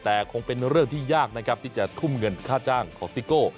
แต่คงเป็นเรื่องที่ยากนะครับที่จะทุ่มเงินค่าจ้างของซิโก้